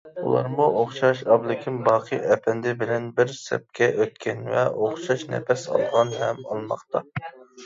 ئۇلارمۇ ئوخشاش ئابلىكىم باقى ئەپەندى بىلەن بىر سەپكە ئۆتكەن ۋە ئوخشاش نەپەس ئالغان ھەم ئالماقتا.